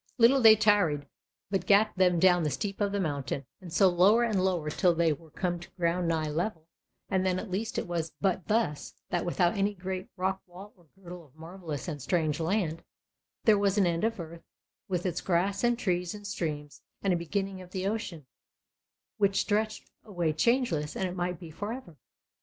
Little they tarried, but gat them down the steep of the mountain, and so lower and lower till they were come to ground nigh level; and then at last it was but thus, that without any great rock wall or girdle of marvellous and strange land, there was an end of earth, with its grass and trees and streams, and a beginning of the ocean, which stretched away changeless, and it might be for ever.